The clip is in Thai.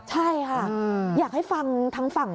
ใช่ค่ะอยากให้ฟังทางฝั่ง